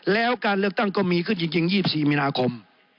แล้วการเลือกตั้งก็มีขึ้นจริง๒๔มีนาคม